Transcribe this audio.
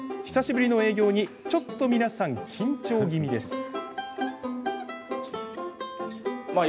久しぶりの営業にちょっと皆さん緊張気味です。